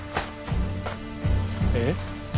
えっ？